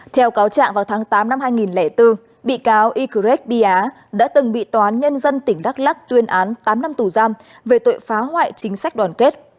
theo cáo trạng vào tháng tám năm hai nghìn bốn bị cáo ycret bia đã từng bị tòa án nhân dân tỉnh đắk lắc tuyên án tám năm tù giam về tội phá hoại chính sách đoàn kết